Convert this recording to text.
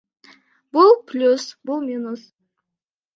Бул плюс, бул минус.